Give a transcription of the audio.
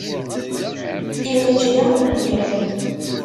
Immečč, d amuddir.